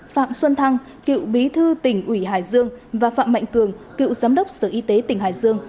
phạm xuân thăng cựu bí thư tỉnh ủy hải dương và phạm mạnh cường cựu giám đốc sở y tế tỉnh hải dương